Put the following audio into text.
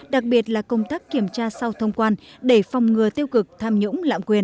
đặc biệt là công tác kiểm tra sau thông quan để phòng ngừa tiêu cực tham nhũng lạm quyền